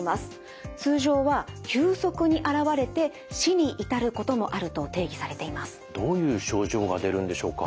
通常はどういう症状が出るんでしょうか？